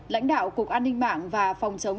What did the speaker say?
lãnh đạo cục an ninh mạng và phòng chống